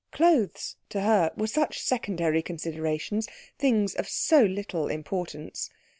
Clothes to her were such secondary considerations, things of so little importance.